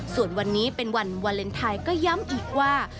ส่วนวันนี้เป็นวันวาเลนไทยก็ย้ำอีกว่า